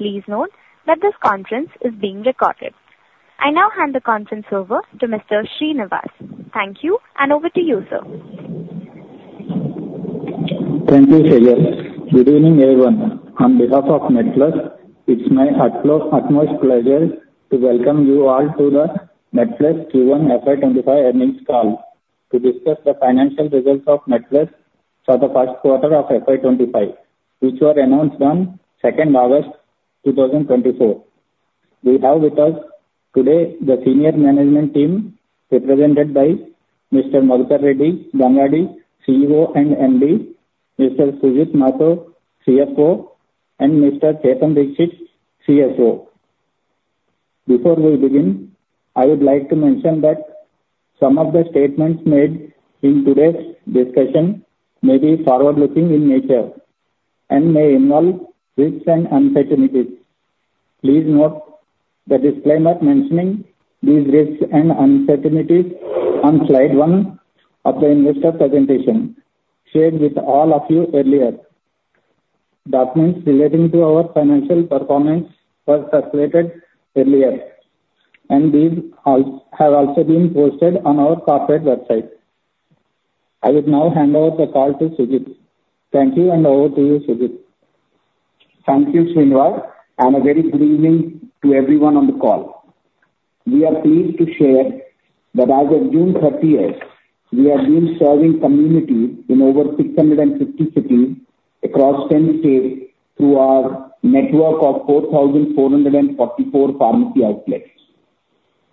Please note that this conference is being recorded. I now hand the conference over to Mr. Srinivas. Thank you, and over to you, sir. Thank you, Sejal. Good evening, everyone. On behalf of MedPlus, it's my utmost pleasure to welcome you all to the MedPlus Q1 FY25 earnings call to discuss the financial results of MedPlus for the first quarter of FY25, which were announced on 2 August 2024. We have with us today the senior management team represented by Mr. Madhukar Gangadi Reddy, CEO and MD, Mr. Sujit Mahato, CFO, and Mr. Chetan Dixit, CSO. Before we begin, I would like to mention that some of the statements made in today's discussion may be forward-looking in nature and may involve risks and uncertainties. Please note the disclaimer mentioning these risks and uncertainties on slide 1 of the investor presentation shared with all of you earlier. Documents relating to our financial performance were circulated earlier, and these have also been posted on our corporate website. I would now hand over the call to Sujit. Thank you, and over to you, Sujit. Thank you, Srinivas, and a very good evening to everyone on the call. We are pleased to share that as of June 30, we have been serving communities in over 650 cities across 10 states through our network of 4,444 pharmacy outlets.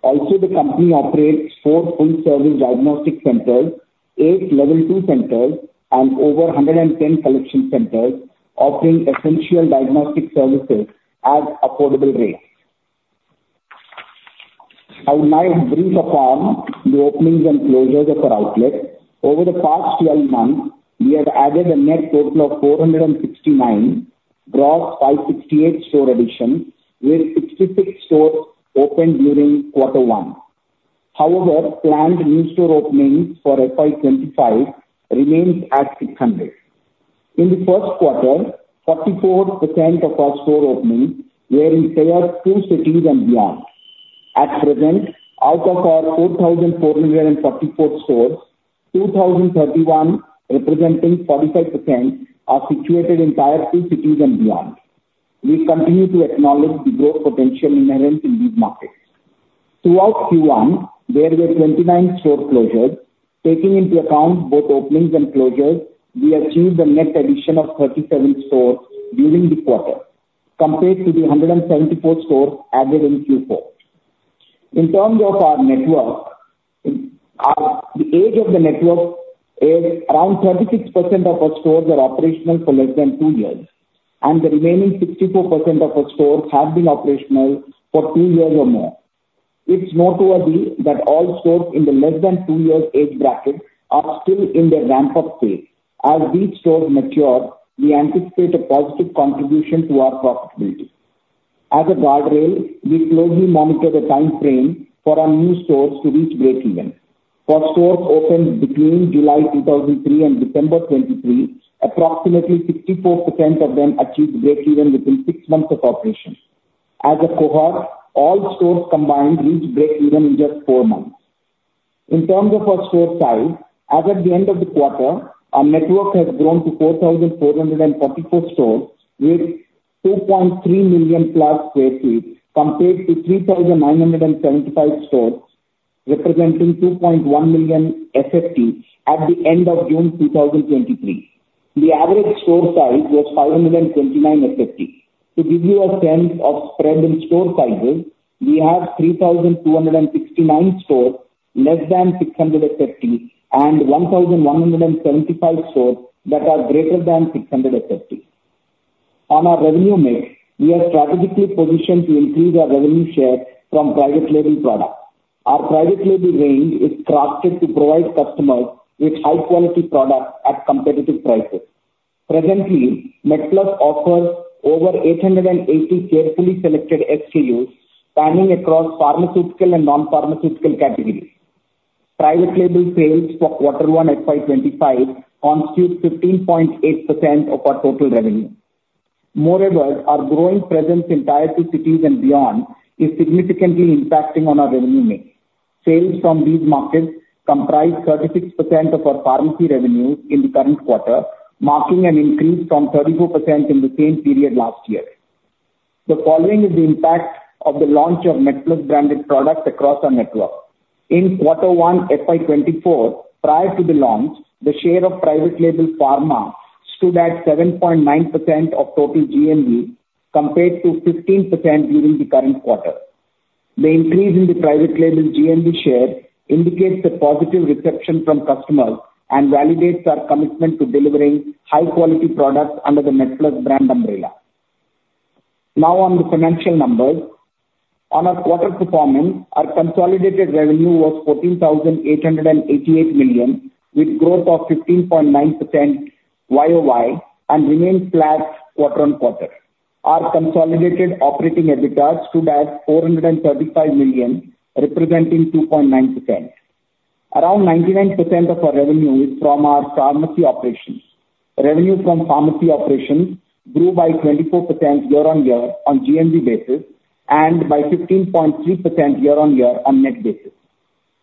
Also, the company operates 4 full-service diagnostic centers, 8 level 2 centers, and over 110 collection centers offering essential diagnostic services at affordable rates. I would now brief upon the openings and closures of our outlets. Over the past 12 months, we have added a net total of 469, gross 568 store additions, with 66 stores opened during quarter 1. However, planned new store openings for FY25 remain at 600. In the first quarter, 44% of our store openings were in Tier 2 cities and beyond. At present, out of our 4,444 stores, 2,031, representing 45%, are situated in Tier 2 cities and beyond. We continue to acknowledge the growth potential inherent in these markets. Throughout Q1, there were 29 store closures. Taking into account both openings and closures, we achieved a net addition of 37 stores during the quarter compared to the 174 stores added in Q4. In terms of our network, the age of the network is around 36% of our stores are operational for less than two years, and the remaining 64% of our stores have been operational for two years or more. It's noteworthy that all stores in the less than two years age bracket are still in their ramp-up phase. As these stores mature, we anticipate a positive contribution to our profitability. As a guardrail, we closely monitor the time frame for our new stores to reach break-even. For stores opened between July 2023 and December 2023, approximately 64% of them achieved break-even within six months of operation. As a cohort, all stores combined reached break-even in just four months. In terms of our store size, as of the end of the quarter, our network has grown to 4,444 stores with 2.3 million+ sq ft compared to 3,975 stores representing 2.1 million sq ft at the end of June 2023. The average store size was 529 sq ft. To give you a sense of spread in store sizes, we have 3,269 stores less than 600 sq ft and 1,175 stores that are greater than 600 sq ft. On our revenue mix, we are strategically positioned to increase our revenue share from private-label products. Our private-label range is crafted to provide customers with high-quality products at competitive prices. Presently, MedPlus offers over 880 carefully selected SKUs spanning across pharmaceutical and non-pharmaceutical categories. Private-label sales for quarter 1 FY25 constitute 15.8% of our total revenue. Moreover, our growing presence in Tier 2 cities and beyond is significantly impacting on our revenue mix. Sales from these markets comprise 36% of our pharmacy revenues in the current quarter, marking an increase from 34% in the same period last year. The following is the impact of the launch of MedPlus-branded products across our network. In quarter 1 FY24, prior to the launch, the share of private-label pharma stood at 7.9% of total GMV compared to 15% during the current quarter. The increase in the private-label GMV share indicates a positive reception from customers and validates our commitment to delivering high-quality products under the MedPlus brand umbrella. Now, on the financial numbers. On our quarter performance, our consolidated revenue was 14,888 million, with growth of 15.9% YOY and remained flat quarter-on-quarter. Our consolidated operating EBITDA stood at 435 million, representing 2.9%. Around 99% of our revenue is from our pharmacy operations. Revenue from pharmacy operations grew by 24% year-on-year on GMV basis and by 15.3% year-on-year on net basis.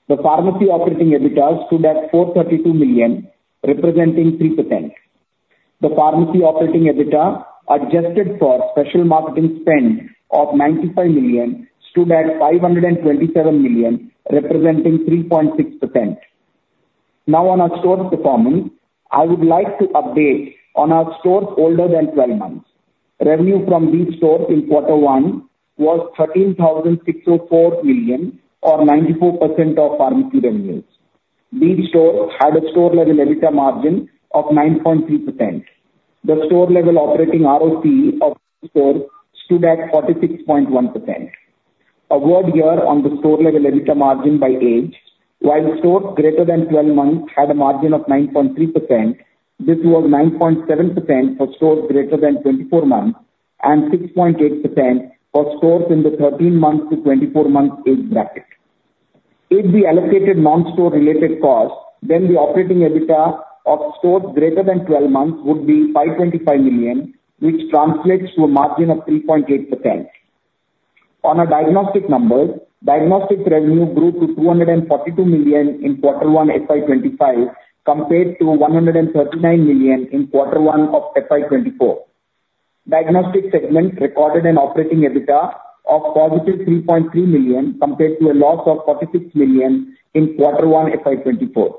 The pharmacy operating EBITDA stood at 432 million, representing 3%. The pharmacy operating EBITDA adjusted for special marketing spend of 95 million stood at 527 million, representing 3.6%. Now, on our store performance, I would like to update on our stores older than 12 months. Revenue from these stores in quarter 1 was 13,604 million, or 94% of pharmacy revenues. These stores had a store-level EBITDA margin of 9.3%. The store-level operating ROCE of these stores stood at 46.1%. A word here on the store-level EBITDA margin by age: while stores greater than 12 months had a margin of 9.3%, this was 9.7% for stores greater than 24 months and 6.8% for stores in the 13 months to 24 months age bracket. If we allocated non-store-related costs, then the operating EBITDA of stores greater than 12 months would be 525 million, which translates to a margin of 3.8%. On our diagnostic numbers, diagnostic revenue grew to 242 million in quarter 1 FY25 compared to 139 million in quarter 1 of FY24. Diagnostic segment recorded an operating EBITDA of positive 3.3 million compared to a loss of 46 million in quarter 1 FY24.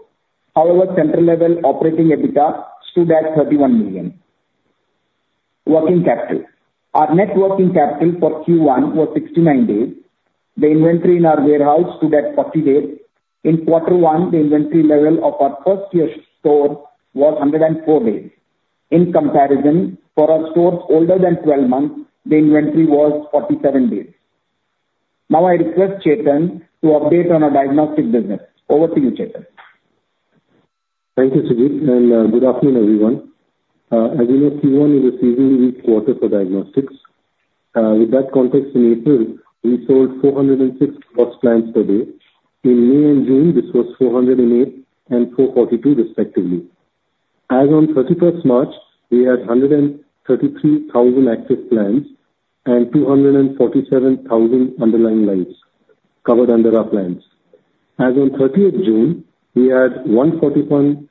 However, central-level operating EBITDA stood at 31 million. Working capital. Our net working capital for Q1 was 69 days. The inventory in our warehouse stood at 40 days. In quarter 1, the inventory level of our first-year store was 104 days. In comparison, for our stores older than 12 months, the inventory was 47 days. Now, I request Chetan to update on our diagnostic business. Over to you, Chetan. Thank you, Sujit, and good afternoon, everyone. As you know, Q1 is a seasonal weak quarter for diagnostics. With that context, in April, we sold 406+ plans per day. In May and June, this was 408 and 442, respectively. As on 31st March, we had 133,000 active plans and 247,000 underlying lines covered under our plans. As on 30th June, we had 141,000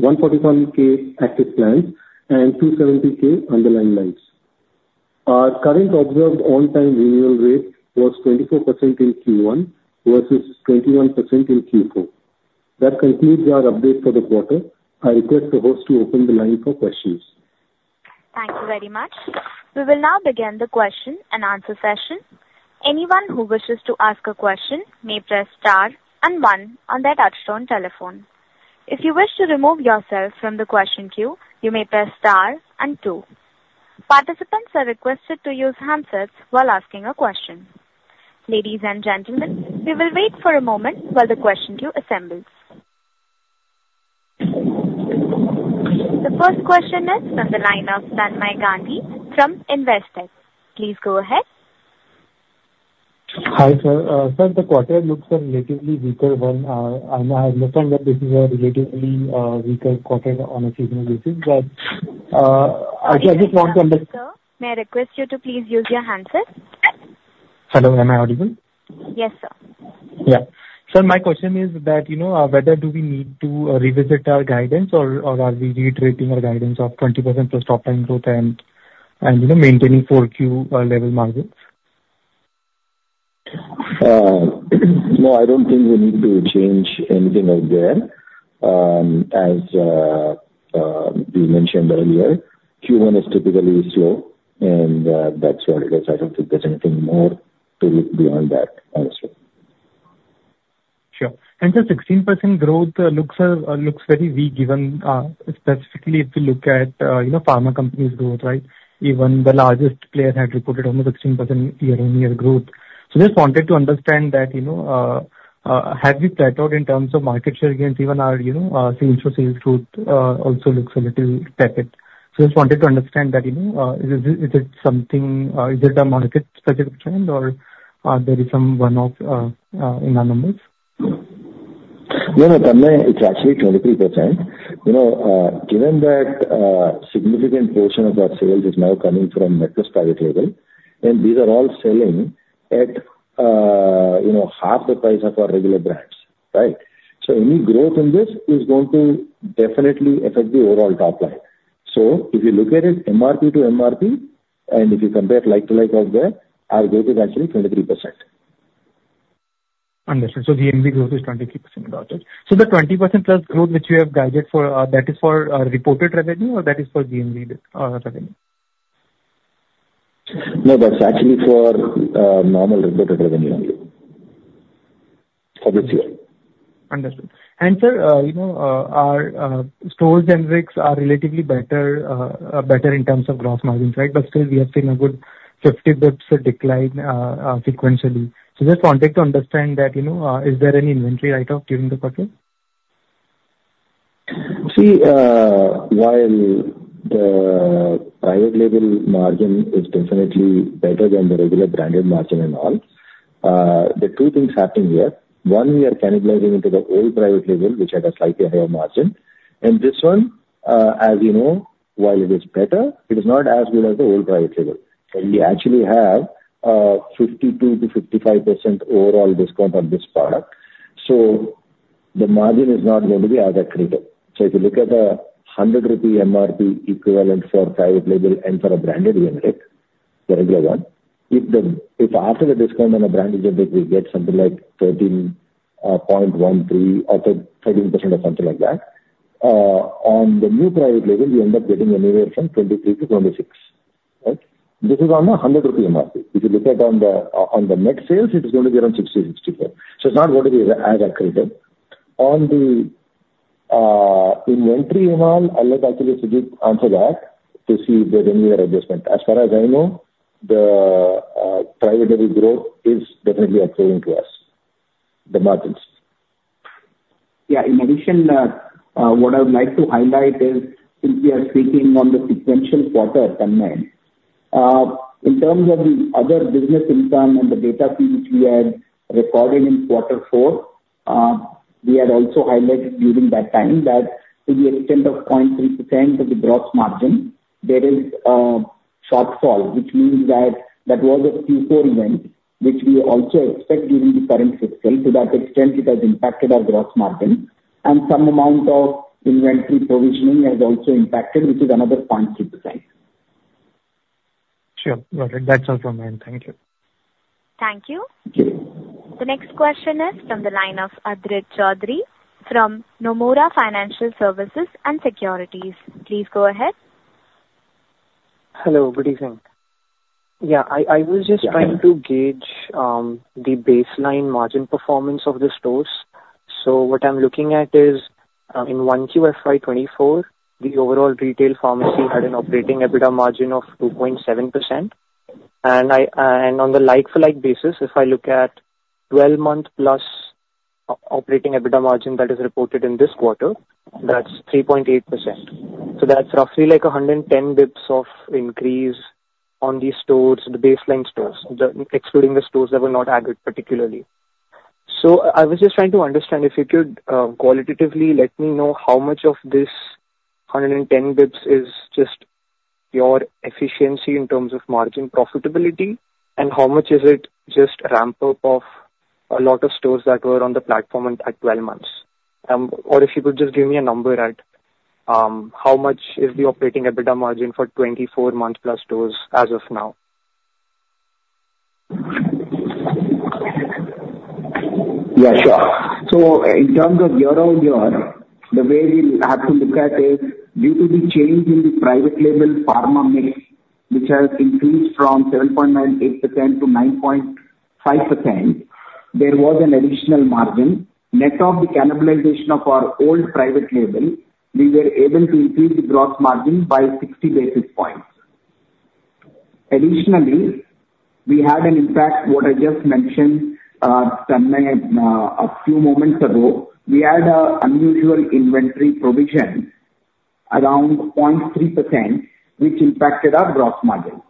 141K active plans and 270K underlying lines. Our current observed on-time renewal rate was 24% in Q1 versus 21% in Q4. That concludes our update for the quarter. I request the host to open the line for questions. Thank you very much. We will now begin the question and answer session. Anyone who wishes to ask a question may press star and 1 on their touch-tone telephone. If you wish to remove yourself from the question queue, you may press star and 2. Participants are requested to use handsets while asking a question. Ladies and gentlemen, we will wait for a moment while the question queue assembles. The first question is from the line of Tanmay Gandhi from Investec. Please go ahead. Hi, sir. Sir, the quarter looks relatively weaker when I understand that this is a relatively weaker quarter on a seasonal basis. But I just want to understand. Sir, may I request you to please use your handset? Hello. Am I audible? Yes, sir. Yeah. Sir, my question is that whether do we need to revisit our guidance, or are we reiterating our guidance of 20%+ top-line growth and maintaining 4Q level margins? No, I don't think we need to change anything out there. As we mentioned earlier, Q1 is typically slow, and that's what it is. I don't think there's anything more to look beyond that, honestly. Sure. Sir, 16% growth looks very weak given, specifically, if you look at pharma companies' growth, right? Even the largest players had reported almost 16% year-on-year growth. So just wanted to understand, have we plateaued in terms of market share gains? Even our same-store sales growth also looks a little tepid. So just wanted to understand, is it something? Is it a market-specific trend, or there is some one-off in our numbers? No, no, Tanmay, it's actually 23%. Given that a significant portion of our sales is now coming from MedPlus private label, and these are all selling at half the price of our regular brands, right? So any growth in this is going to definitely affect the overall top line. So if you look at it MRP to MRP, and if you compare like-to-like over there, our growth is actually 23%. Understood. So GMV growth is 23%. Got it. So the 20%-plus growth which you have guided for, that is for reported revenue, or that is for GMV revenue? No, that's actually for normal reported revenue only for this year. Understood. Sir, our stores' generics are relatively better in terms of gross margins, right? Still, we have seen a good 50 basis points decline sequentially. Just wanted to understand that is there any inventory write-off during the quarter? See, while the private label margin is definitely better than the regular branded margin and all, there are two things happening here. One, we are cannibalizing into the old private label, which had a slightly higher margin. And this one, as you know, while it is better, it is not as good as the old private label. But we actually have a 52%-55% overall discount on this product. So the margin is not going to be as accretive. So if you look at the 100 rupee MRP equivalent for private label and for a branded generic, the regular one, if after the discount on a branded generic, we get something like 13.13% or 13% or something like that, on the new private label, we end up getting anywhere from 23%-26%, right? This is on the 100 rupee MRP. If you look at on the net sales, it is going to be around 60-64. So it's not going to be as accretive. On the inventory and all, I'll let actually Sujit answer that to see if there's any other adjustment. As far as I know, the private label growth is definitely accruing to us, the margins. Yeah. In addition, what I would like to highlight is, since we are speaking on the sequential quarter, Tanmay, in terms of the other business income and the data fee which we had recorded in quarter 4, we had also highlighted during that time that to the extent of 0.3% of the gross margin, there is a shortfall, which means that that was a Q4 event which we also expect during the current fiscal. To that extent, it has impacted our gross margin. And some amount of inventory provisioning has also impacted, which is another 0.3%. Sure. Got it. That's all from me. Thank you. Thank you. Thank you. The next question is from the line of Aditya Chowdhury from Nomura Financial Services and Securities. Please go ahead. Hello. Good evening. Yeah, I was just trying to gauge the baseline margin performance of the stores. So what I'm looking at is, in 1Q FY24, the overall retail pharmacy had an operating EBITDA margin of 2.7%. And on the like-for-like basis, if I look at 12-month-plus operating EBITDA margin that is reported in this quarter, that's 3.8%. So that's roughly like 110 basis points of increase on the baseline stores, excluding the stores that were not aggregated particularly. So I was just trying to understand if you could qualitatively let me know how much of this 110 basis points is just pure efficiency in terms of margin profitability, and how much is it just ramp-up of a lot of stores that were on the platform at 12 months? Or if you could just give me a number at how much is the operating EBITDA margin for 24-month-plus stores as of now? Yeah, sure. So in terms of year-on-year, the way we have to look at is, due to the change in the private label pharma mix, which has increased from 7.98% to 9.5%, there was an additional margin. Net of the cannibalization of our old private label, we were able to increase the gross margin by 60 basis points. Additionally, we had an impact, what I just mentioned, Tanmay, a few moments ago. We had an unusual inventory provision around 0.3%, which impacted our gross margin.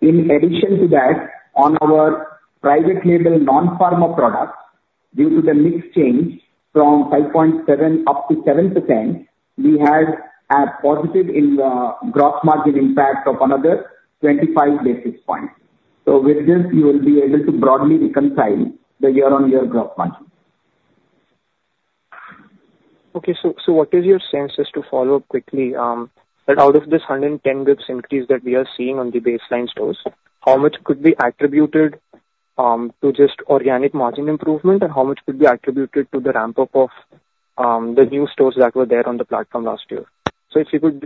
In addition to that, on our private label non-pharma products, due to the mix change from 5.7% up to 7%, we had a positive gross margin impact of another 25 basis points. So with this, you will be able to broadly reconcile the year-on-year gross margin. Okay. So what is your sense, just to follow up quickly, that out of this 110 basis points increase that we are seeing on the baseline stores, how much could be attributed to just organic margin improvement, and how much could be attributed to the ramp-up of the new stores that were there on the platform last year? So if you could,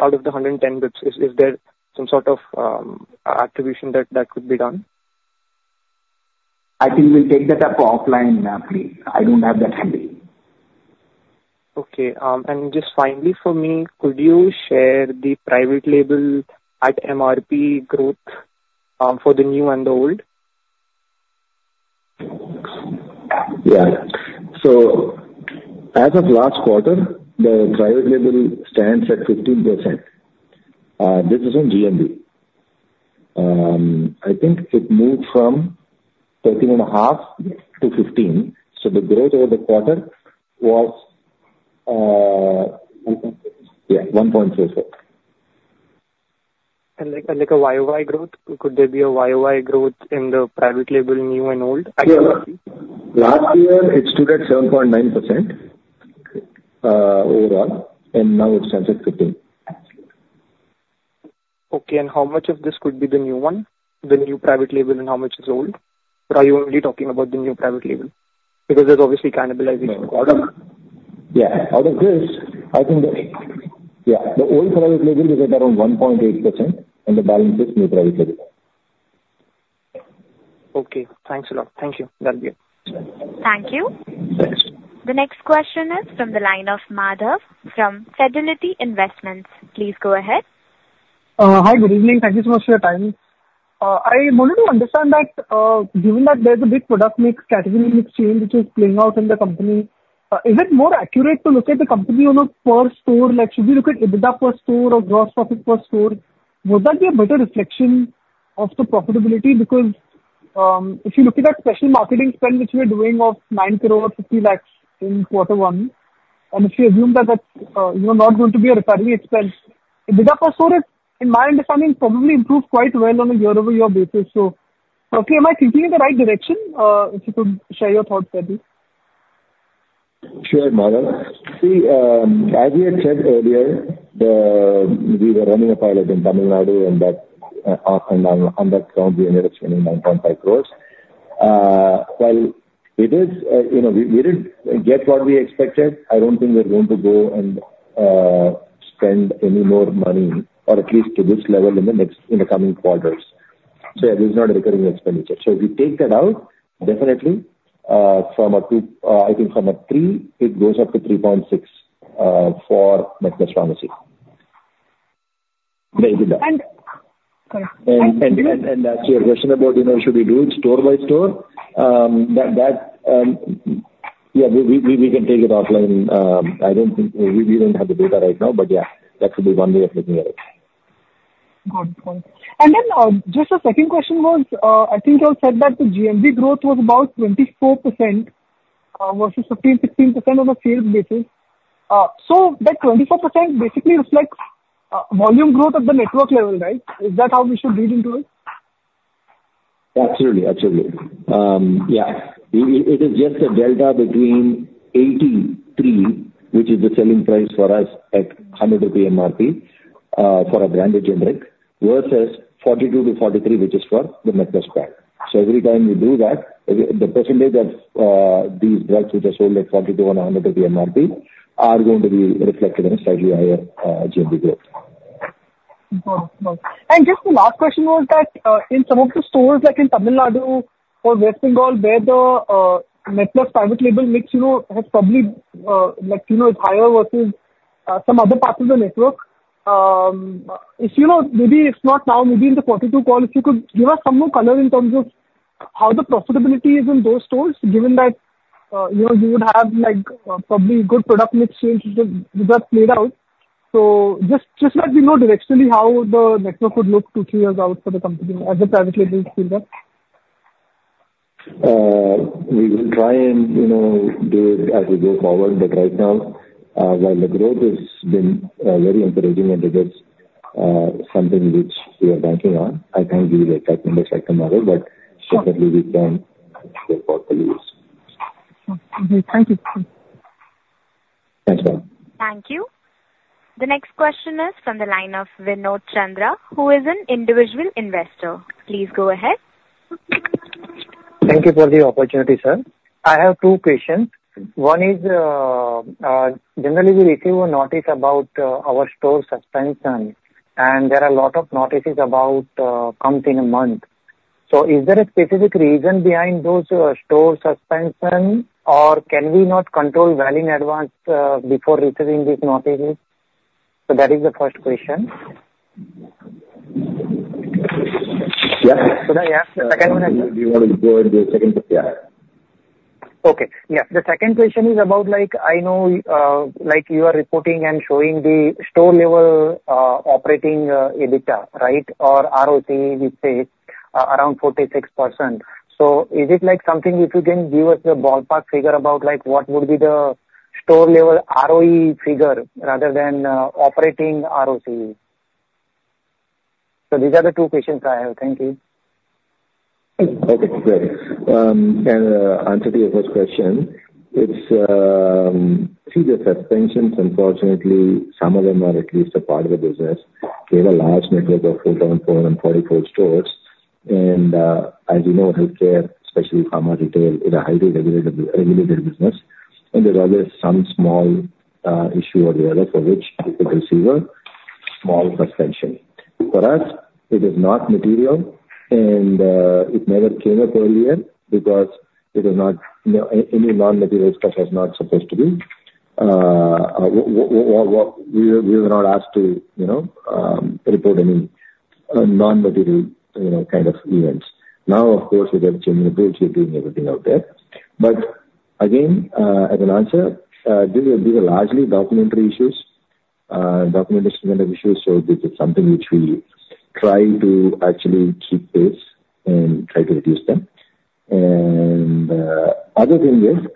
out of the 110 basis points, is there some sort of attribution that could be done? I think we'll take that up offline, please. I don't have that handy. Okay. And just finally, for me, could you share the private label at MRP growth for the new and the old? Yeah. So as of last quarter, the private label stands at 15%. This is on GMV. I think it moved from 13.5 to 15. So the growth over the quarter was, yeah, 1.44. Like, a YOY growth? Could there be a YOY growth in the private label, new and old? Yeah. Last year, it stood at 7.9% overall, and now it stands at 15%. Okay. And how much of this could be the new one, the new private label, and how much is old? Or are you only talking about the new private label? Because there's obviously cannibalization in the quarter. Yeah. Out of this, I think that, yeah, the old private label is at around 1.8%, and the balance is new private label. Okay. Thanks a lot. Thank you. That'll be it. Thank you. Thanks. The next question is from the line of Madhav from Fidelity International. Please go ahead. Hi. Good evening. Thank you so much for your time. I wanted to understand that given that there's a big product mix, category mix change which is playing out in the company, is it more accurate to look at the company on a per store? Should we look at EBITDA per store or gross profit per store? Would that be a better reflection of the profitability? Because if you look at that special marketing spend which we are doing of 9.5 crore in quarter 1, and if you assume that that's not going to be a recurring expense, EBITDA per store, in my understanding, probably improved quite well on a year-over-year basis. So roughly, am I thinking in the right direction? If you could share your thoughts, Reddy. Sure, Madhav. See, as we had said earlier, we were running a pilot in Tamil Nadu, and on that ground, we ended up spending INR 9.5 crore. While it is, we did get what we expected, I don't think we're going to go and spend any more money, or at least to this level in the coming quarters. So yeah, there's not a recurring expenditure. So if you take that out, definitely, I think from a 3, it goes up to 3.6 for MedPlus Pharmacy. And. Sorry. To your question about should we do it store by store, yeah, we can take it offline. I don't think we don't have the data right now, but yeah, that could be one way of looking at it. Good point. And then just the second question was, I think you all said that the GMV growth was about 24% versus 15%-16% on a sales basis. So that 24% basically reflects volume growth at the network level, right? Is that how we should read into it? Absolutely. Absolutely. Yeah. It is just a delta between 83, which is the selling price for us at 100 rupees MRP for a branded generic, versus 42-43, which is for the MedPlus brand. So every time we do that, the percentage of these drugs which are sold at 42 on a 100 MRP are going to be reflected in a slightly higher GMV growth. Got it. Got it. And just the last question was that in some of the stores, like in Tamil Nadu or West Bengal, where the MedPlus private label mix has probably it's higher versus some other parts of the network. Maybe if not now, maybe in the Q2 call, if you could give us some more color in terms of how the profitability is in those stores, given that you would have probably good product mix change which has played out. So just let me know directionally how the network would look two, three years out for the company as the private labels feel that. We will try and do it as we go forward. But right now, while the growth has been very encouraging and it is something which we are banking on, I can't give you the exact numbers right now, Madhav, but definitely, we can report the loss. Okay. Thank you. Thanks, Madhav. Thank you. The next question is from the line of Vinod Chandra, who is an individual investor. Please go ahead. Thank you for the opportunity, sir. I have two questions. One is, generally, we receive a notice about our store suspension, and there are a lot of notices that come in a month. So is there a specific reason behind those store suspensions, or can we not control value in advance before receiving these notices? So that is the first question. Yeah. So yeah, the second one is. Do you want to go with the second? Yeah. Okay. Yeah. The second question is about, I know you are reporting and showing the store-level operating EBITDA, right, or ROCE, we say, around 46%. So is it something if you can give us the ballpark figure about what would be the store-level ROE figure rather than operating ROCE? So these are the two questions I have. Thank you. Okay. Great. Can I answer to your first question? See, the suspensions, unfortunately, some of them are at least a part of the business. We have a large network of 4,444 stores. And as you know, healthcare, especially pharma retail, is a highly regulated business. And there's always some small issue or the other for which you could receive a small suspension. For us, it is not material, and it never came up earlier because it was not any non-material stuff was not supposed to be. We were not asked to report any non-material kind of events. Now, of course, we got to change the rules. We're doing everything out there. But again, as an answer, these are largely documentary issues, documentation kind of issues. So this is something which we try to actually keep pace and try to reduce them. And other thing is,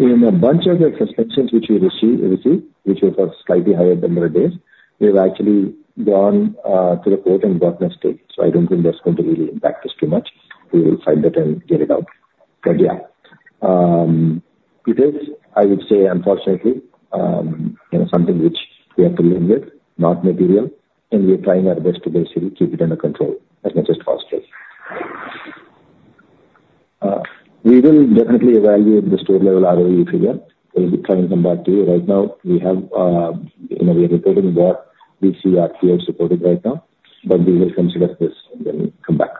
in a bunch of the suspensions which we receive, which were for slightly higher number of days, we have actually gone to the court and got a stay. So I don't think that's going to really impact us too much. We will fight that and get it out. But yeah, it is, I would say, unfortunately, something which we have to live with, not material. And we are trying our best to basically keep it under control as much as possible. We will definitely evaluate the store-level ROE figure. We'll try and come back to you. Right now, we are reporting what we see our PO supported right now, but we will consider this and then come back.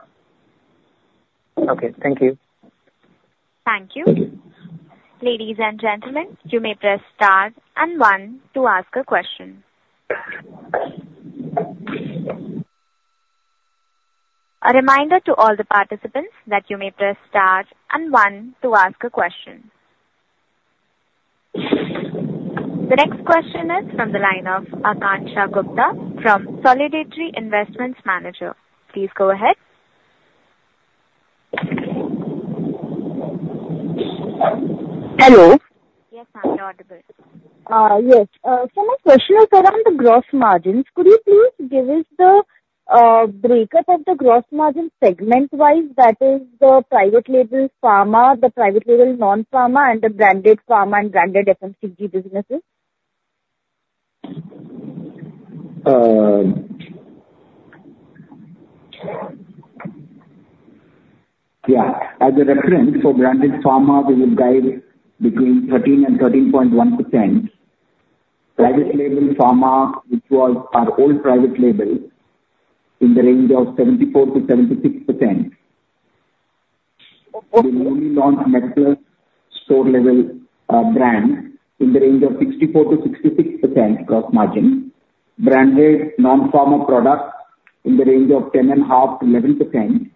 Okay. Thank you. Thank you. Thank you. Ladies and gentlemen, you may press star and one to ask a question. A reminder to all the participants that you may press star and one to ask a question. The next question is from the line of Akanksha Gupta from Solidarity Investment Managers. Please go ahead. Hello. Yes, I'm audible. Yes. So my question is around the gross margins. Could you please give us the breakup of the gross margin segment-wise, that is, the private label pharma, the private label non-pharma, and the branded pharma and branded FMCG businesses? Yeah. As a reference, for branded pharma, we will drive between 13% and 13.1%. Private label pharma, which was our old private label, in the range of 74%-76%. We'll only launch MedPlus store-level brands in the range of 64%-66% gross margin. Branded non-pharma products in the range of 10.5%-11%,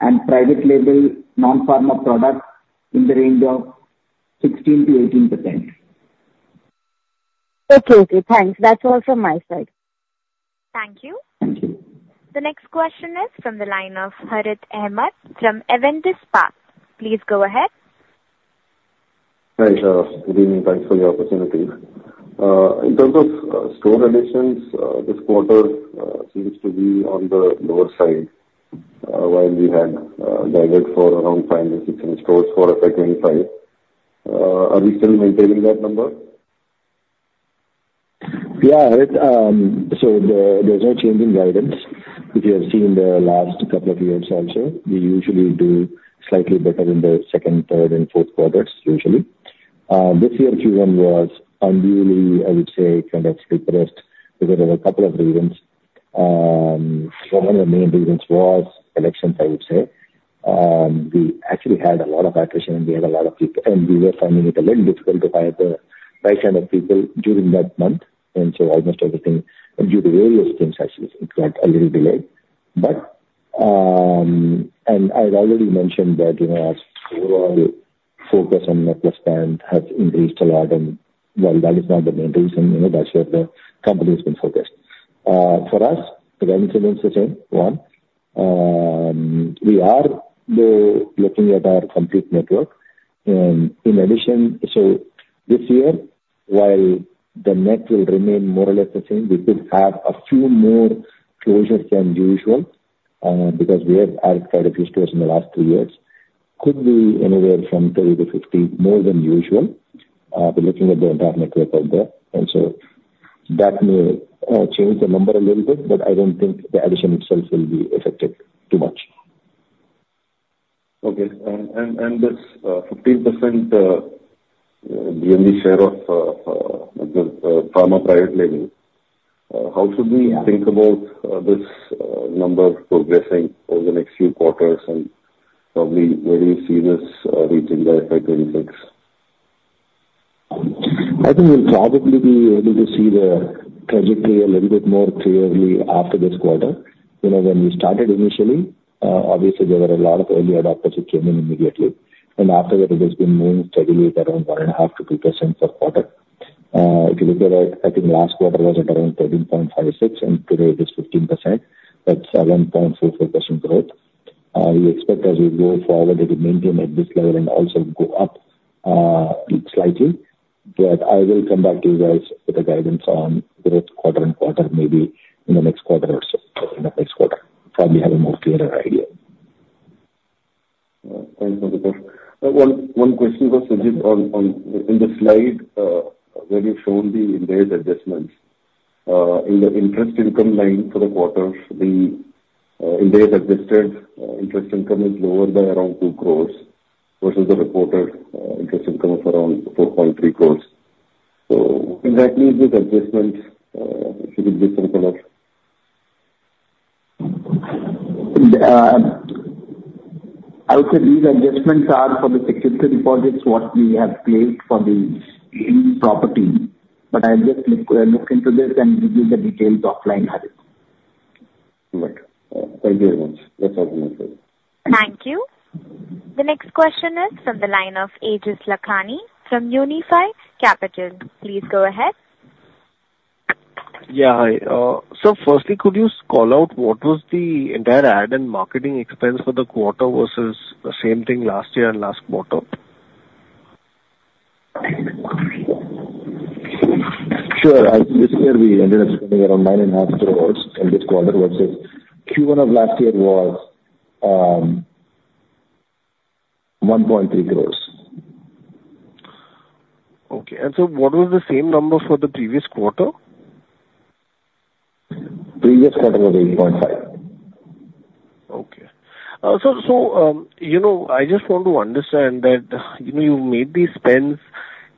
and private label non-pharma products in the range of 16%-18%. Okay. Okay. Thanks. That's all from my side. Thank you. Thank you. The next question is from the line of Harith Ahamed from Avendus Spark. Please go ahead. Hi, sir. Good evening. Thanks for the opportunity. In terms of store relations, this quarter seems to be on the lower side, while we had guided for around 500 and 600 stores for FY25. Are we still maintaining that number? Yeah, Harith. So there's no change in guidance, which you have seen the last couple of years also. We usually do slightly better in the second, third, and fourth quarters, usually. This year, Q1 was unduly, I would say, kind of slippery because of a couple of reasons. One of the main reasons was elections, I would say. We actually had a lot of attrition, and we had a lot of people, and we were finding it a little difficult to hire the right kind of people during that month. And so almost everything, due to various things, actually, got a little delayed. And I had already mentioned that our overall focus on MedPlus brand has increased a lot. And while that is not the main reason, that's where the company has been focused. For us, the guidance remains the same, one. We are looking at our complete network. In addition, so this year, while the net will remain more or less the same, we could have a few more closures than usual because we have added quite a few stores in the last three years. Could be anywhere from 30-50 more than usual. We're looking at the entire network out there. And so that may change the number a little bit, but I don't think the addition itself will be affected too much. Okay. And this 15% GMV share of pharma private label, how should we think about this number progressing over the next few quarters? And probably, where do you see this reaching by FY26? I think we'll probably be able to see the trajectory a little bit more clearly after this quarter. When we started initially, obviously, there were a lot of early adopters who came in immediately. And after that, it has been moving steadily at around 1.5%-2% per quarter. If you look at it, I think last quarter was at around 13.56, and today it is 15%. That's 1.44% growth. We expect, as we go forward, it will maintain at this level and also go up slightly. But I will come back to you guys with the guidance on growth quarter on quarter, maybe in the next quarter or so, end of next quarter. Probably have a more clearer idea. Thanks, Madhav. One question was, Sujit, in the slide where you've shown the Ind AS adjustments, in the interest income line for the quarter, the Ind AS-adjusted interest income is lower by around 2 crore versus the reported interest income of around 4.3 crore. So what exactly is this adjustment? If you could give some color? I would say these adjustments are for the security deposits, what we have placed for the property. But I'll just look into this and give you the details offline, Harith. Right. Thank you very much. That's all from my side. Thank you. The next question is from the line of Aejas Lakhani from Unifi Capital. Please go ahead. Yeah. Hi. So firstly, could you call out what was the entire ad and marketing expense for the quarter versus the same thing last year and last quarter? Sure. This year, we ended up spending around 9.5 crores in this quarter versus Q1 of last year was 1.3 crores. Okay. And so what was the same number for the previous quarter? Previous quarter was 8.5. Okay. So I just want to understand that you've made these spends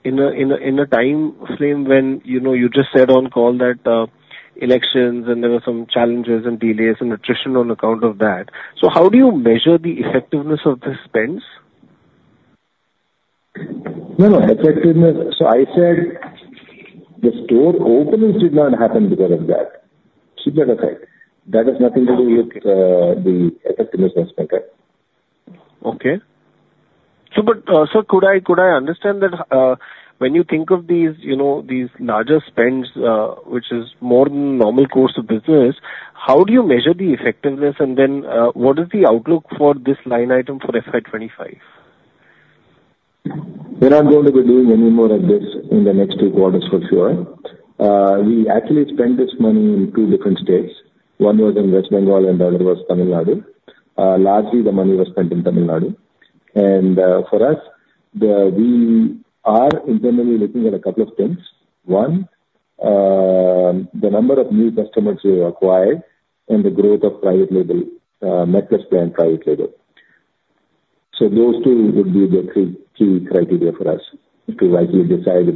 in a time frame when you just said on call that elections, and there were some challenges and delays and attrition on account of that. So how do you measure the effectiveness of these spends? No, no. So I said the store openings did not happen because of that, to be honest. That has nothing to do with the effectiveness of spending. Okay. Sir, could I understand that when you think of these larger spends, which is more than the normal course of business, how do you measure the effectiveness? Then what is the outlook for this line item for FY25? We're not going to be doing any more of this in the next two quarters, for sure. We actually spent this money in two different states. One was in West Bengal, and the other was Tamil Nadu. Largely, the money was spent in Tamil Nadu. And for us, we are internally looking at a couple of things. One, the number of new customers we have acquired and the growth of MedPlus brand private label. So those two would be the three key criteria for us to rightly decide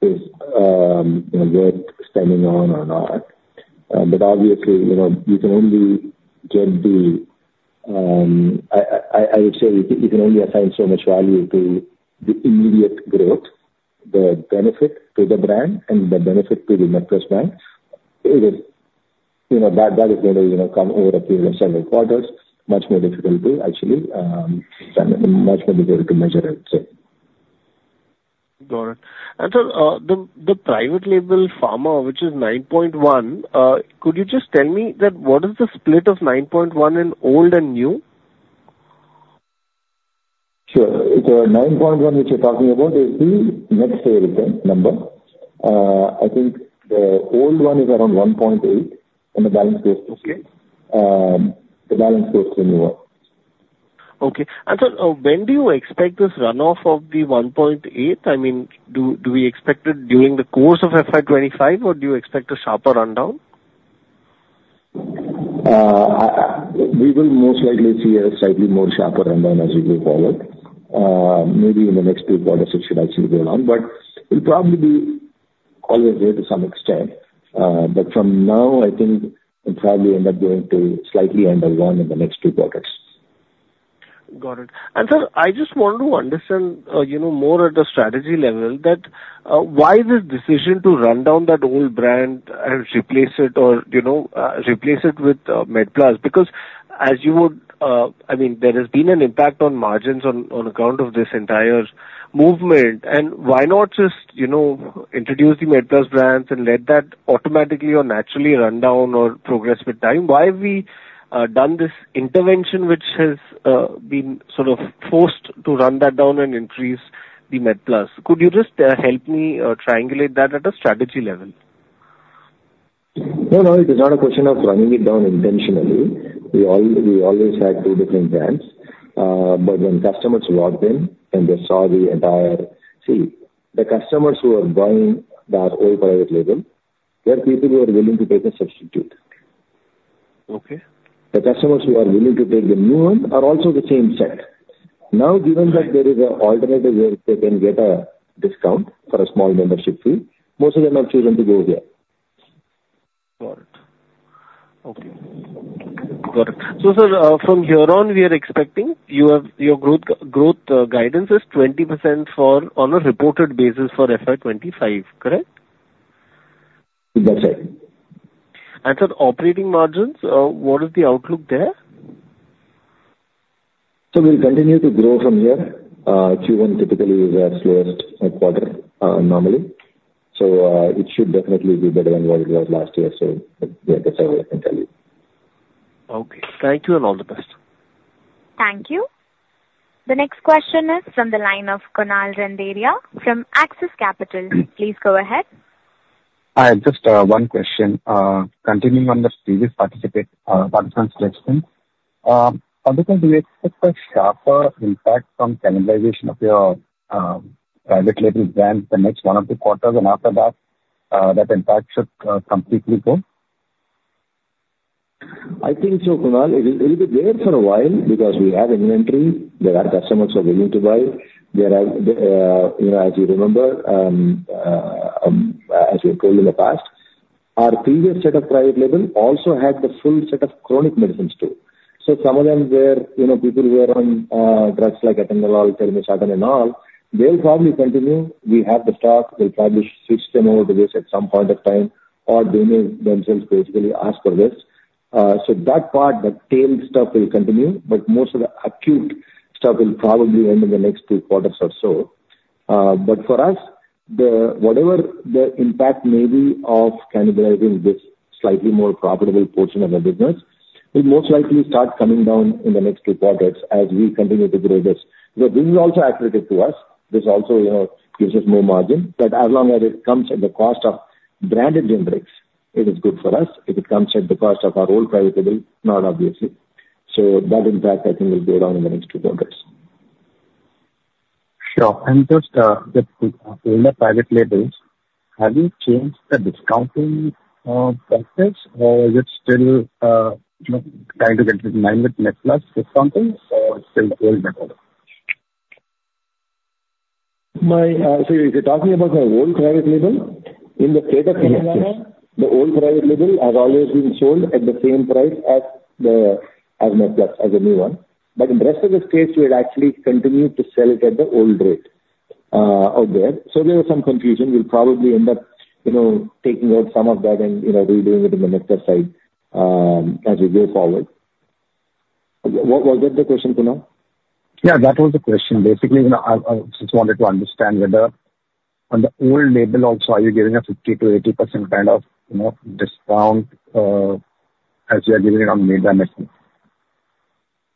if the ad is worth spending on or not. But obviously, you can only get the I would say you can only assign so much value to the immediate growth, the benefit to the brand, and the benefit to the MedPlus brand. That is going to come over a period of several quarters, much more difficult to measure, I would say. Got it. Sir, the private label pharma, which is 9.1, could you just tell me that what is the split of 9.1 in old and new? Sure. The 9.1 which you're talking about is the net sales number. I think the old one is around 1.8, and the balance goes to the new one. Okay. Sir, when do you expect this runoff of the 1.8? I mean, do we expect it during the course of FY25, or do you expect a sharper rundown? We will most likely see a slightly more sharper rundown as we go forward. Maybe in the next two quarters, it should actually go down. But it'll probably be always there to some extent. But from now, I think it'll probably end up going to slightly under one in the next two quarters. Got it. Sir, I just wanted to understand more at a strategy level that why this decision to run down that old brand and replace it or replace it with MedPlus? Because as you would I mean, there has been an impact on margins on account of this entire movement. Why not just introduce the MedPlus brands and let that automatically or naturally run down or progress with time? Why have we done this intervention which has been sort of forced to run that down and increase the MedPlus? Could you just help me triangulate that at a strategy level? No, no. It is not a question of running it down intentionally. We always had two different brands. But when customers walked in and they saw the entire sea, the customers who are buying that old private label, there are people who are willing to take a substitute. The customers who are willing to take the new one are also the same set. Now, given that there is an alternative where they can get a discount for a small membership fee, most of them have chosen to go here. Got it. Okay. Got it. So sir, from here on, we are expecting your growth guidance is 20% on a reported basis for FY25, correct? That's right. Sir, operating margins, what is the outlook there? So we'll continue to grow from here. Q1 typically is our slowest quarter normally. So it should definitely be better than what it was last year. So yeah, that's all I can tell you. Okay. Thank you, and all the best. Thank you. The next question is from the line of Kunal Randeria from Axis Capital. Please go ahead. Hi. Just one question. Continuing on the previous participant's question, do we expect a sharper impact from cannibalization of your private label brands the next one or two quarters? And after that, that impact should completely go? I think so, Kunal. It will be there for a while because we have inventory. There are customers who are willing to buy. As you remember, as we've told in the past, our previous set of private label also had the full set of chronic medicines too. So some of them were people who were on drugs like atenolol, telmisartan, and all. They'll probably continue. We have the stock. We'll probably switch them over to this at some point of time or they may themselves basically ask for this. So that part, that tail stuff, will continue. But most of the acute stuff will probably end in the next two quarters or so. But for us, whatever the impact may be of cannibalizing this slightly more profitable portion of the business will most likely start coming down in the next two quarters as we continue to grow this. So this is also attributed to us. This also gives us more margin. But as long as it comes at the cost of branded generics, it is good for us. If it comes at the cost of our old private label, not obviously. So that impact, I think, will go down in the next two quarters. Sure. Just with the older private labels, have you changed the discounting practice, or is it still trying to get in line with MedPlus discounting, or it's still old method? So you're talking about the old private label? In the state of Tamil Nadu, the old private label has always been sold at the same price as MedPlus, as the new one. But in the rest of the states, we had actually continued to sell it at the old rate out there. So there was some confusion. We'll probably end up taking out some of that and redoing it in the MedPlus side as we go forward. Was that the question, Kunal? Yeah, that was the question. Basically, I just wanted to understand whether, on the old label also, are you giving a 50%-80% kind of discount as you are giving it on made by MedPlus?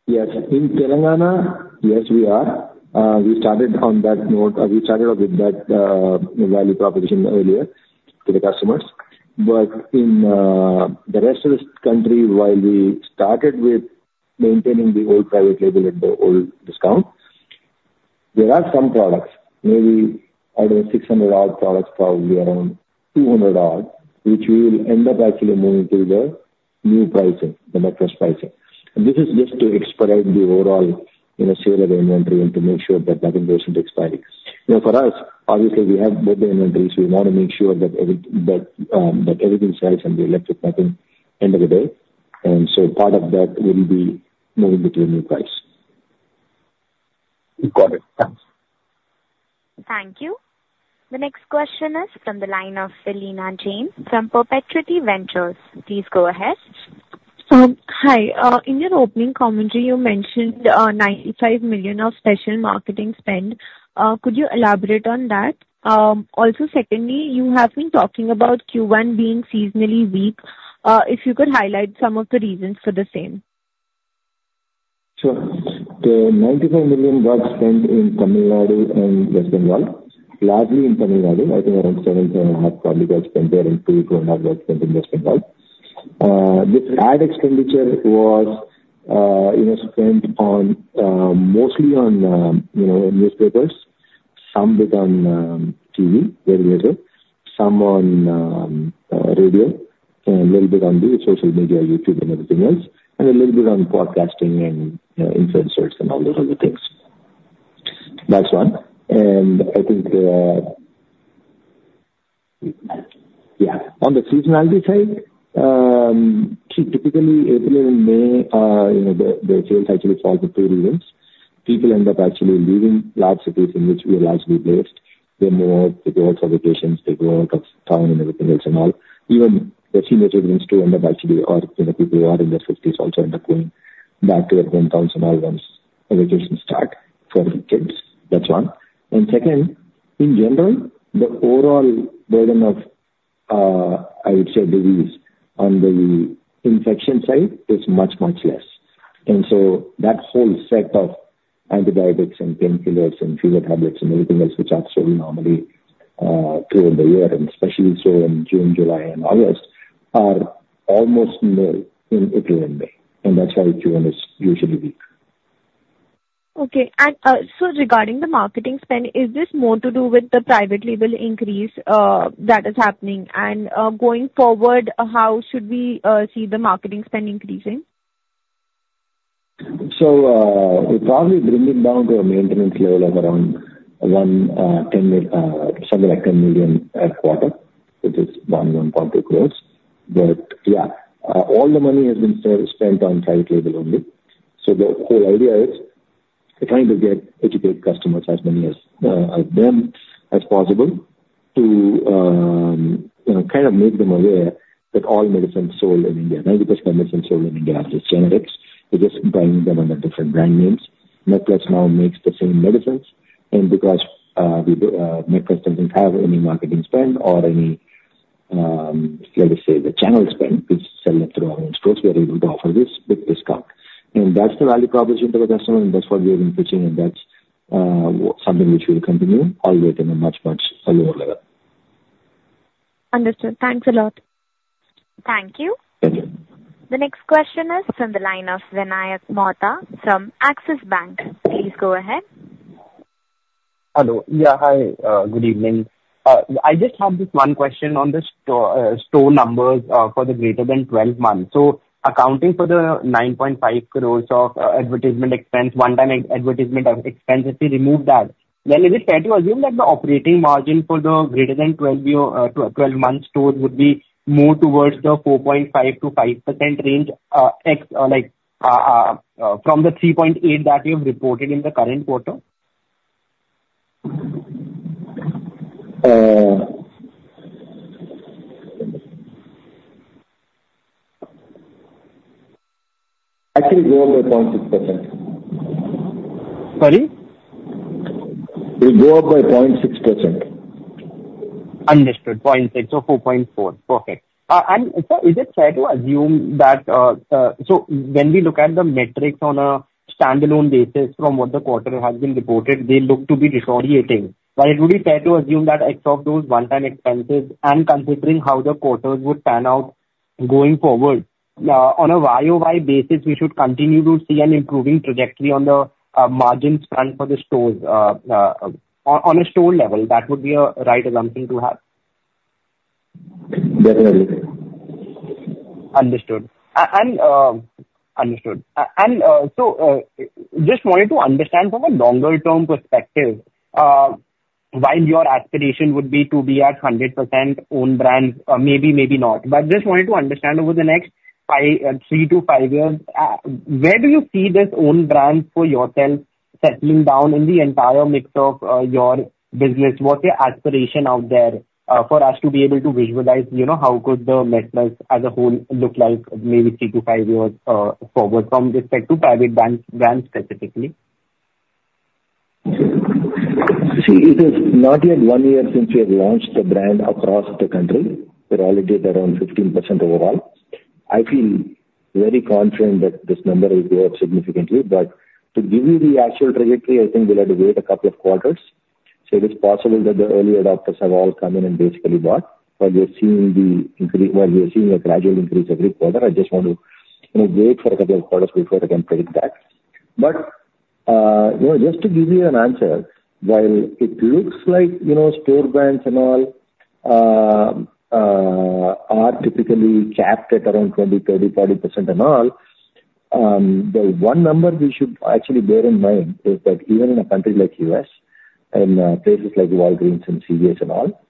Yes. In Telangana, yes, we are. We started on that note. We started off with that value proposition earlier. To the customers. But in the rest of the country, while we started with maintaining the old private label at the old discount, there are some products, maybe out of the 600-odd products, probably around 200-odd, which we will end up actually moving to the new pricing, the MedPlus pricing. And this is just to expedite the overall sale of inventory and to make sure that nothing goes into expiry. For us, obviously, we have both the inventories. We want to make sure that everything sells and we're left with nothing at the end of the day. And so part of that will be moving to a new price. Got it. Thanks. Thank you. The next question is from the line of Alina Jain from Perpetuity Ventures. Please go ahead. Hi. In your opening commentary, you mentioned 95 million of special marketing spend. Could you elaborate on that? Also, secondly, you have been talking about Q1 being seasonally weak. If you could highlight some of the reasons for the same? Sure. The 95 million got spent in Tamil Nadu and West Bengal. Largely in Tamil Nadu, I think around 7.5 million probably got spent there and 2 million-2.5 million got spent in West Bengal. This ad expenditure was spent mostly on newspapers, some bit on TV very later, some on radio, and a little bit on the social media, YouTube, and everything else, and a little bit on podcasting and influencers and all those other things. That's one. And I think, yeah, on the seasonality side, see, typically, April and May, the sales actually fall for two reasons. People end up actually leaving large cities in which we are largely based. They go out for vacations. They go out of town and everything else and all. Even the senior citizens too end up actually or people who are in their 50s also end up going back to their hometowns and all once vacations start for the kids. That's one. Second, in general, the overall burden of, I would say, disease on the infection side is much, much less. So that whole set of antibiotics and painkillers and fever tablets and everything else which are sold normally throughout the year, and especially so in June, July, and August, are almost null in April and May. That's why Q1 is usually weak. Okay. And so regarding the marketing spend, is this more to do with the private label increase that is happening? And going forward, how should we see the marketing spend increasing? So we'll probably bring it down to a maintenance level of around something like 10 million per quarter, which is 1-1.2 crore. But yeah, all the money has been spent on private label only. So the whole idea is trying to educate customers as many of them as possible to kind of make them aware that all medicines sold in India, 90% of medicines sold in India are just generics. We're just buying them under different brand names. MedPlus now makes the same medicines. And because MedPlus doesn't have any marketing spend or any, let us say, the channel spend, we sell them through our own stores. We are able to offer this with discount. And that's the value proposition to the customer. And that's what we have been pitching. And that's something which we will continue always in a much, much lower level. Understood. Thanks a lot. Thank you. Pleasure. The next question is from the line of Vinayak Mohta from Axis Bank. Please go ahead. Hello. Yeah. Hi. Good evening. I just have one question on the store numbers for the greater than 12 months. So accounting for the 9.5 crores of advertisement expense, one-time advertisement expense, if we remove that, then is it fair to assume that the operating margin for the greater than 12-month stores would be more towards the 4.5%-5% range from the 3.8% that you have reported in the current quarter? I think we'll go up by 0.6%. Sorry? We'll go up by 0.6%. Understood. 0.6 or 4.4. Perfect. And sir, is it fair to assume that when we look at the metrics on a standalone basis from what the quarter has been reported, they look to be disappointing, but it would be fair to assume that barring those one-time expenses and considering how the quarters would pan out going forward, on a year-over-year basis, we should continue to see an improving trajectory on the margins spent for the stores on a store level? That would be a right assumption to have. Definitely. Understood. Understood. And so just wanted to understand from a longer-term perspective while your aspiration would be to be at 100% owned brands, maybe, maybe not. But just wanted to understand over the next three to five years, where do you see this owned brand for yourself settling down in the entire mix of your business? What's your aspiration out there for us to be able to visualize how could the MedPlus as a whole look like maybe three to five years forward with respect to private brands specifically? See, it is not yet one year since we have launched the brand across the country. We're already at around 15% overall. I feel very confident that this number will go up significantly. But to give you the actual trajectory, I think we'll have to wait a couple of quarters. So it is possible that the early adopters have all come in and basically bought. But we're seeing, well, we're seeing a gradual increase every quarter. I just want to wait for a couple of quarters before I can predict that. But just to give you an answer, while it looks like store brands and all are typically capped at around 20%, 30%, 40% and all, the one number we should actually bear in mind is that even in a country like U.S. and places like Walgreens and CVS and all,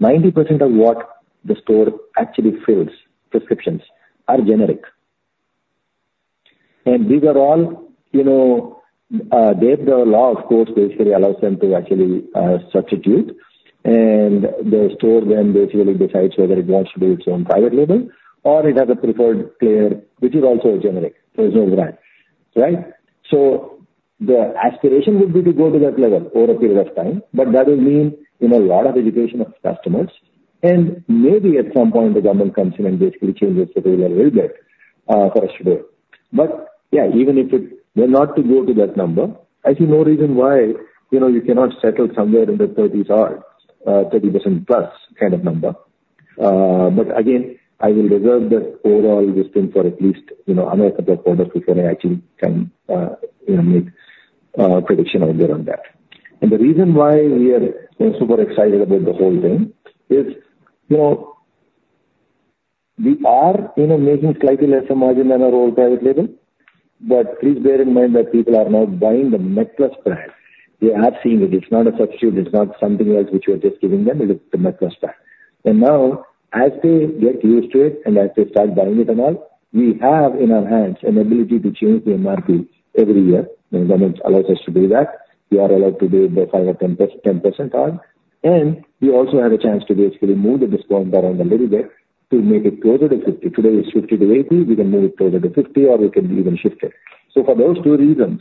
90% of what the store actually fills, prescriptions, are generic. And these are all they have the law, of course, basically allows them to actually substitute. And the store then basically decides whether it wants to do its own private label or it has a preferred player, which is also generic. There's no brand, right? So the aspiration would be to go to that level over a period of time. But that would mean a lot of education of customers. Maybe at some point, the government comes in and basically changes the rule a little bit for us to do it. But yeah, even if it were not to go to that number, I see no reason why you cannot settle somewhere in the 30s-odd, 30%-plus kind of number. But again, I will reserve the overall listing for at least another couple of quarters before I actually can make a prediction out there on that. And the reason why we are super excited about the whole thing is we are making slightly lesser margin than our old private label. But please bear in mind that people are now buying the MedPlus brand. They are seeing it. It's not a substitute. It's not something else which we are just giving them. It is the MedPlus brand. Now, as they get used to it and as they start buying it and all, we have in our hands an ability to change the MRP every year. The government allows us to do that. We are allowed to do the 5% or 10% card. We also have a chance to basically move the discount around a little bit to make it closer to 50%. Today it's 50%-80%. We can move it closer to 50%, or we can even shift it. For those two reasons,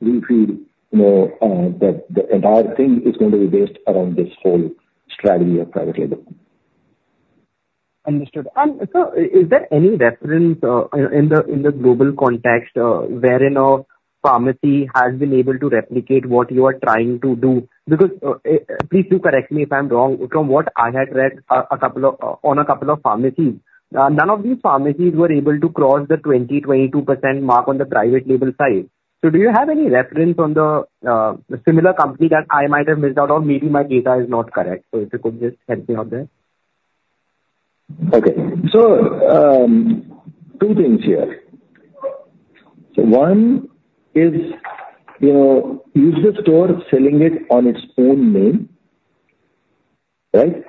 we feel that the entire thing is going to be based around this whole strategy of private label. Understood. And so is there any reference in the global context wherein a pharmacy has been able to replicate what you are trying to do? Because please do correct me if I'm wrong. From what I had read on a couple of pharmacies, none of these pharmacies were able to cross the 20%-22% mark on the private label side. So do you have any reference on the similar company that I might have missed out on? Maybe my data is not correct. So if you could just help me out there. Okay. So two things here. So one is the store selling it on its own name, right?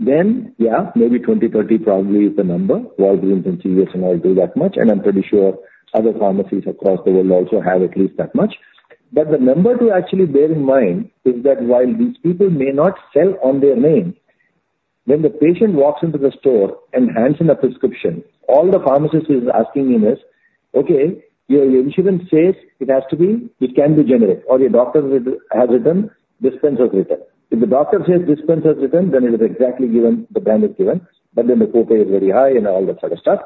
Then, yeah, maybe 20, 30 probably is the number. Walgreens and CVS and all do that much. And I'm pretty sure other pharmacies across the world also have at least that much. But the number to actually bear in mind is that while these people may not sell on their name, when the patient walks into the store and hands in a prescription, all the pharmacist is asking him is, "Okay. Your insurance says it has to be it can be generic," or "Your doctor has written dispense as written." If the doctor says dispense as written, then it is exactly given. The brand is given. But then the copay is very high and all that sort of stuff.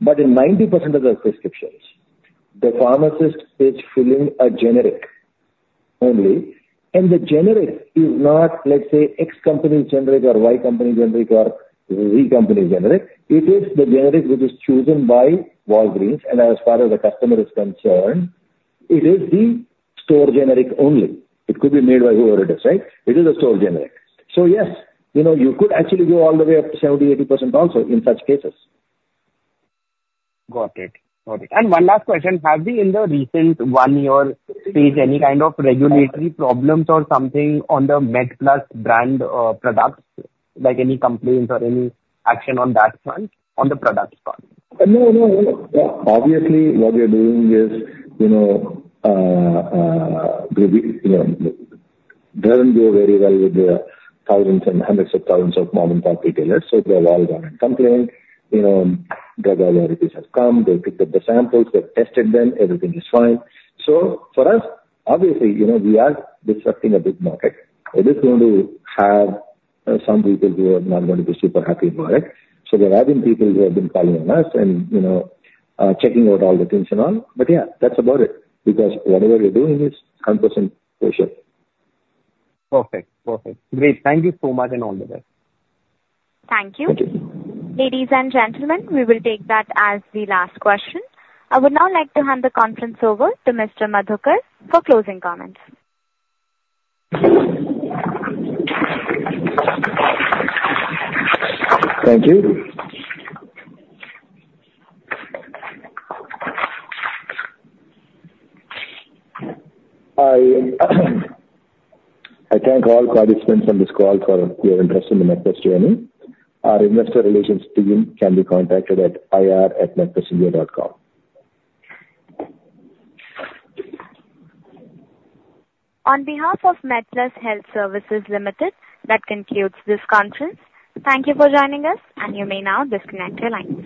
But in 90% of the prescriptions, the pharmacist is filling a generic only. The generic is not, let's say, X company generic or Y company generic or Z company generic. It is the generic which is chosen by Walgreens. As far as the customer is concerned, it is the store generic only. It could be made by whoever it is, right? It is a store generic. So yes, you could actually go all the way up to 70%-80% also in such cases. Got it. Got it. And one last question. Have we, in the recent one-year stage, any kind of regulatory problems or something on the MedPlus brand products, any complaints or any action on that front on the products part? No, no, no. Obviously, what we are doing is it doesn't go very well with the thousands and hundreds of thousands of mom-and-pop retailers. So they have all gone and complained. Drug authorities have come. They've picked up the samples. They've tested them. Everything is fine. So for us, obviously, we are disrupting a big market. It is going to have some people who are not going to be super happy about it. So there have been people who have been calling on us and checking out all the things and all. But yeah, that's about it because whatever you're doing is 100% for sure. Perfect. Perfect. Great. Thank you so much and all the best. Thank you. Thank you. Ladies and gentlemen, we will take that as the last question. I would now like to hand the conference over to Mr. Madhukar for closing comments. Thank you. I thank all participants on this call for your interest in the MedPlus journey. Our investor relations team can be contacted at ir@medplusindia.com. On behalf of MedPlus Health Services Limited, that concludes this conference. Thank you for joining us, and you may now disconnect your line.